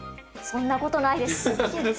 そんなことないです。